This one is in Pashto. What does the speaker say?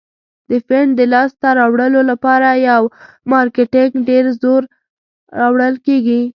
د فنډ د لاس ته راوړلو لپاره په مارکیټینګ ډیر زور راوړل کیږي.